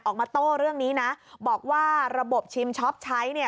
ออกมาโต้เรื่องนี้นะบอกว่าระบบชิมช็อปใช้